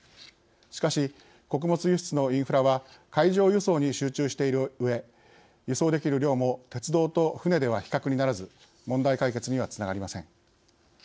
しかし、穀物輸出のインフラは海上輸送に集中しているうえ輸送できる量も鉄道と船では比較にならず問題解決にはつながりません。